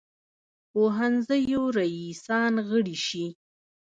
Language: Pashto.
پوهنځیو رییسان غړي شي.